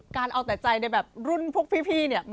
การเอาแต่ใจในแบบรุ่นพวกพี่เนี่ย